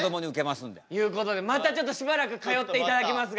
いうことでまたちょっとしばらく通っていただきますが。